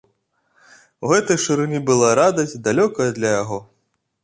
У гэтай шырыні была радасць, далёкая для яго.